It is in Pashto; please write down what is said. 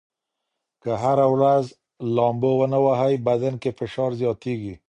که هره ورځ لامبو ونه ووهئ، بدن کې فشار زیاتېږي.